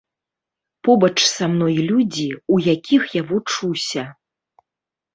Побач са мной людзі, у якіх я вучуся.